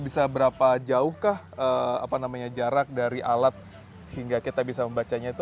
bisa berapa jauh kah jarak dari alat hingga kita bisa membacanya itu